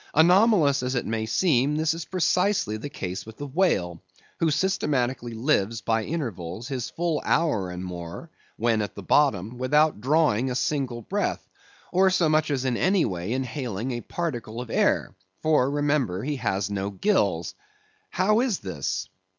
Anomalous as it may seem, this is precisely the case with the whale, who systematically lives, by intervals, his full hour and more (when at the bottom) without drawing a single breath, or so much as in any way inhaling a particle of air; for, remember, he has no gills. How is this?